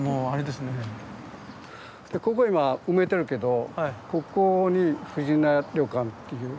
でここ今埋めてるけどここに藤乃屋旅館っていう。